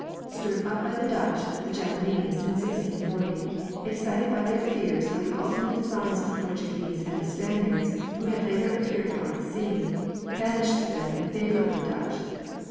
Stirred up by the Dutch, the Japanese, in 1640, excited by their fears of the ultimate designs of the Portuguese and the Spaniards, who had later appeared upon the scene, banished them in favour of the Dutch.